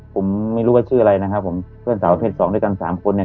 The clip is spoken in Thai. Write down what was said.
ผมไม่รู้ว่าชื่ออะไรนะครับผมเพื่อนสาวเพศสองด้วยกันสามคนเนี่ย